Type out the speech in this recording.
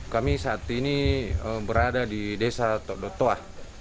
kami saat ini berada di desa todotoah